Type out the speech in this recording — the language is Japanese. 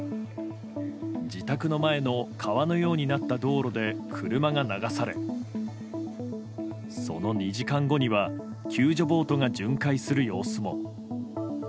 自宅の前の川のようになった道路で車が流されその２時間後には救助ボートが巡回する様子も。